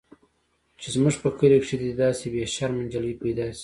چې زموږ په کلي کښې دې داسې بې شرمه نجلۍ پيدا سي.